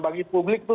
bagi publik itu